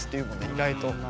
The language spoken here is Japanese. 意外と。